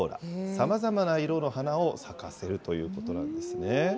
さまざまな色の花を咲かせるということなんですね。